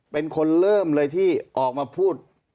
เป็นคนเริ่มเลยที่ออกมาพูด